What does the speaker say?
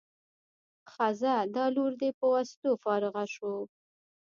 ښه ځه دا لور دې په واسطو فارغه شو.